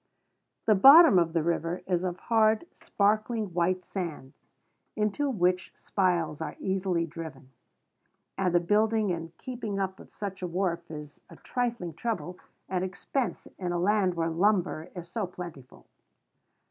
The bottom of the river is of hard, sparkling white sand, into which spiles are easily driven; and the building and keeping up of such a wharf is a trifling trouble and expense in a land where lumber is so plentiful.